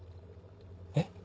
えっ？